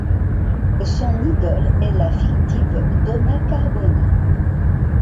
Son idole est la fictive Donna Carbona.